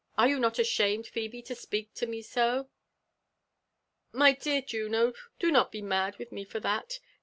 Are you not ashamed, Phebe, to speak to me so?" "My dear Juno! do not be mad wilhme for (hat.